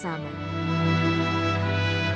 bermanfaat untuk sesama